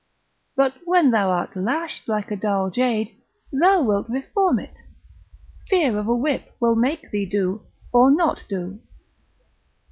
but when thou art lashed like a dull jade, thou wilt reform it: fear of a whip will make thee do, or not do.